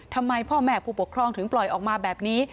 ทำไมพ่อแม่ผู้ปกครองถึงปล่อยออกมาแบบนี้